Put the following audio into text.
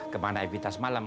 kemana evita semalam